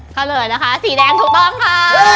เฉลยนะคะสีแดงถูกต้องค่ะ